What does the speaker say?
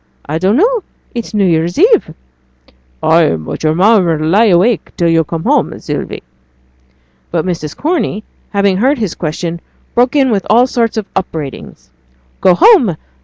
I don't know! It's New Year's eve!' 'Ay! but yo'r mother 'll lie awake till yo' come home, Sylvie!' But Mrs. Corney, having heard his question, broke in with all sorts of upbraidings. 'Go home!